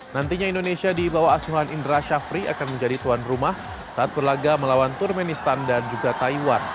nantinya indonesia dibawa asuhan indra shafri akan menjadi tuan rumah saat berlagak melawan turmenistan dan juga taiwan